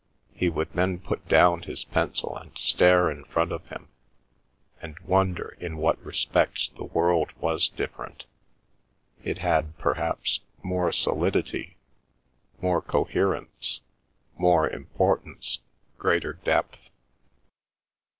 He would then put down his pencil and stare in front of him, and wonder in what respects the world was different—it had, perhaps, more solidity, more coherence, more importance, greater depth.